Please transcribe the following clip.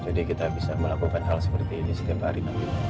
jadi kita bisa melakukan hal seperti ini setiap hari